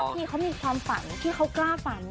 น้องกระพี่เค้ามีความฝันที่เค้ากล้าฝัน